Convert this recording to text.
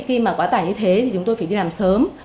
khi mà quá tải như thế thì chúng tôi phải đi làm sớm